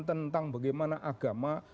tentang bagaimana agama